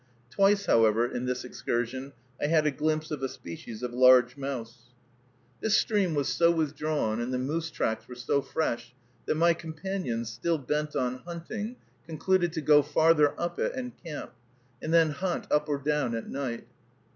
Twice, however, in this excursion, I had a glimpse of a species of large mouse. This stream was so withdrawn, and the moose tracks were so fresh, that my companions, still bent on hunting, concluded to go farther up it and camp, and then hunt up or down at night.